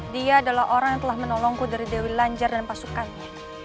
dia adalah orang yang telah menolongku dari dewi lanjar dan pasukannya